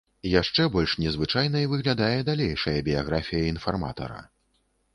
Яшчэ больш незвычайнай выглядае далейшая біяграфія інфарматара.